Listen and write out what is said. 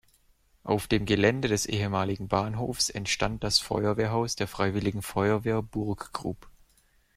Auf dem Gelände des ehemaligen Bahnhofs entstand das Feuerwehrhaus der Freiwilligen Feuerwehr Burggrub.